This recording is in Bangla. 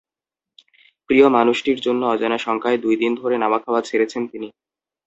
প্রিয় মানুষটির জন্য অজানা শঙ্কায় দুই দিন ধরে নাওয়া-খাওয়া ছেড়েছেন তিনি।